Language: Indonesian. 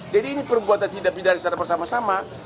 jadi ini perbuatan tidak berbeda bersama sama